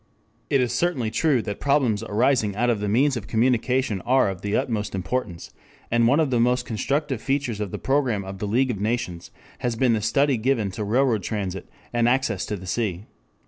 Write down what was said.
It is certainly true that problems arising out of the means of communication are of the utmost importance, and one of the most constructive features of the program of the League of Nations has been the study given to railroad transit and access to the sea.